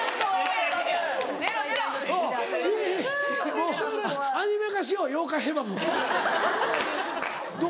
もうアニメ化しよう